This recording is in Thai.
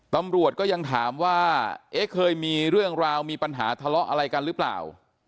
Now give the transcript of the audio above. ตำรวจก็ยังถามว่าเอ๊ะเคยมีเรื่องราวมีปัญหาทะเลาะอะไรกันหรือเปล่า